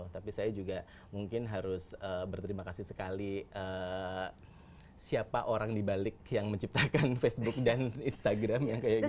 tapi saya juga mungkin harus berterima kasih sekali siapa orang dibalik yang menciptakan facebook dan instagram yang kayak gitu